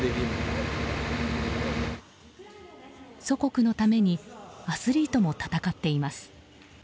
祖国のためにアスリートも戦っています。